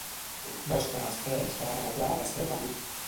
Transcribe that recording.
Mostra'm els trens que van a Gaià de set a vuit.